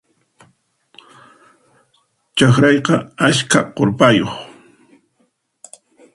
Chakrayqa askha k'urpayuq.